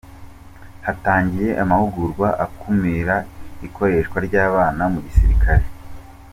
Hatangiye amahugurwa akumira ikoreshwa ry’abana mu gisirikare